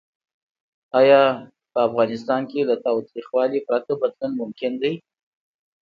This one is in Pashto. آیا افغانستان کې له تاوتریخوالي پرته بدلون ممکن دی؟